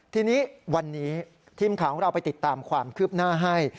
ทีนี้วันนี้ทีมข่าวของเราไปติดตามความคืบหน้าให้